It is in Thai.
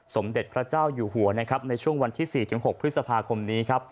สมเด็จพระเจ้าอยู่หัวในช่วงวันที่๔๖พฤษภาคมนี้ครับ